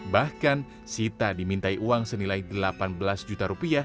bahkan sita dimintai uang senilai rp delapan